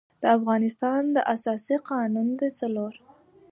د افغانستان د اساسي قـانون د څلور